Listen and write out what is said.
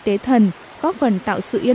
thắng rồi nhé